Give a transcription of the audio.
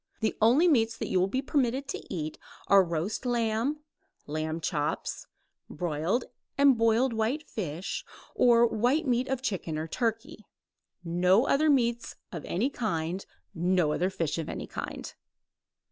The only meats that you will be permitted to eat are roast lamb, lamb chops, broiled or boiled white fish, or white meat of chicken or turkey; no other meats of any kind, no other fish of any kind.